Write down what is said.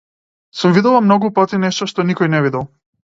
Сум видела многу пати нешто што никој не видел.